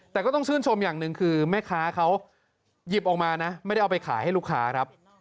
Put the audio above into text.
แต่ก็ต้องชื่นชมอย่างหนึ่งคือแม่ค้าเขาหยิบออกมานะไม่ได้เอาไปขายให้ลูกค้าครับ